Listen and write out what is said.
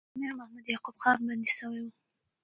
امیر محمد یعقوب خان بندي سوی وو.